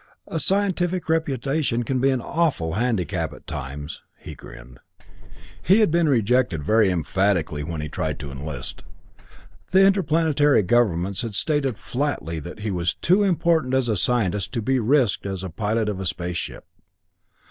A scientific reputation can be an awful handicap at times," he grinned. He had been rejected very emphatically when he had tried to enlist. The Interplanetary governments had stated flatly that he was too important as a scientist to be risked as a pilot of a space ship.